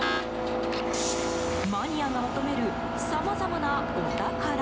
マニアが求めるさまざまなお宝。